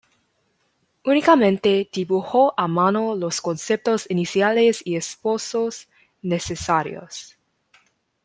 Únicamente dibujó a mano los conceptos iniciales y esbozos necesarios.